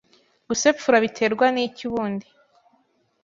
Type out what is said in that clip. Gusepfura biterwa n’iki ubundi